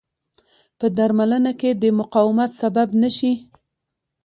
په درملنه کې د مقاومت سبب نه شي.